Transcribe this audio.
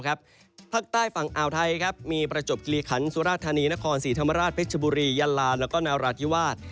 ภาคใต้ฝั่งอ่าวไทยมีประจบกิริขันสุราธานีนครศรีธรรมราชเพชรบุรียันลาแล้วก็นราธิวาส